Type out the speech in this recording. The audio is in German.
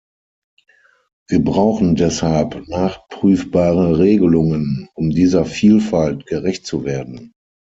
Wir brauchen deshalb nachprüfbare Regelungen, um dieser Vielfalt gerecht zu werden.